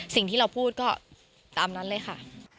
สิ่งที่เราพูดก็ตามนั้นเลยค่ะ